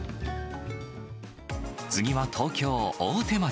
次は東京・大手町。